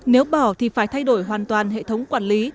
nếu bỏ thì phải thay đổi hoàn toàn hệ thống quản lý